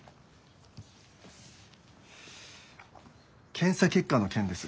検査結果の件ですが。